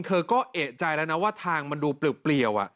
เธอก็เอกใจแล้วนะว่าทางมันดูเปลี่ยว